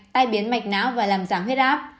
tai biến mạch não và làm giảm huyết áp